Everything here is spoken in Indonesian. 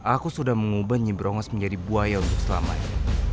aku sudah mengubah nyebrongos menjadi buaya untuk selamanya